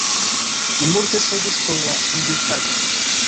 Li multe strebis por la edukado.